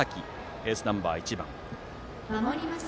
エースナンバー１番。